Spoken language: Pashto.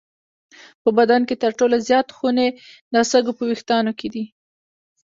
په بدن کې تر ټولو زیات خونې د سږو په وېښتانو کې دي.